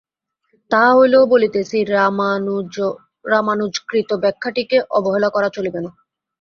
তাহা হইলেও বলিতেছি, রামানুজকৃত ব্যাখ্যাটিকে অবহেলা করা চলিবে না।